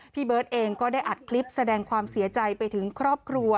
พี่เบิร์ตเองก็ได้อัดคลิปแสดงความเสียใจไปถึงครอบครัว